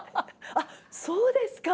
あっそうですか。